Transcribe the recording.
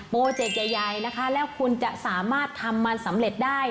เจกต์ใหญ่นะคะแล้วคุณจะสามารถทำมันสำเร็จได้